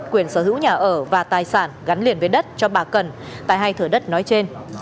quyền sở hữu nhà ở và tài sản gắn liền với đất cho bà cần tại hai thửa đất nói trên